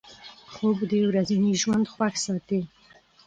خوب د ورځني ژوند خوښ ساتي